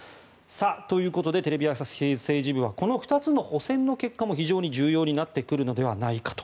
ということでテレビ朝日政治部はこの２つの補選の結果も非常に重要になってくるのではないかと。